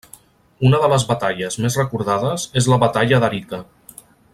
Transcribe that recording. Una de les batalles més recordades és la Batalla d'Arica.